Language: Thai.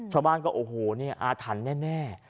ชาวบ้านก็โอ้โหเนี่ยอาทันแน่